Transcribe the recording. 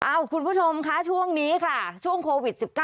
คุณผู้ชมคะช่วงนี้ค่ะช่วงโควิด๑๙